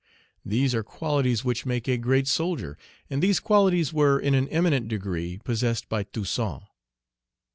These are qualities which make a great soldier; and these qualities were in an eminent degree possessed by Toussaint.